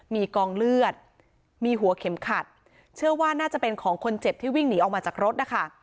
มีกองเลือดมีหัวเข็มขัดเชื่อว่าน่าจะเป็นของคนเจ็บที่วิ่งหนีออกมาจากรถนะคะ